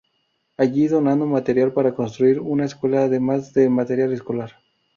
Allí donaron material para construir una escuela además de material escolar.